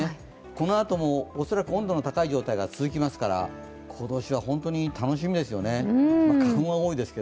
このあとも恐らく温度の高い状態が続きますから今年は本当に楽しみですよね。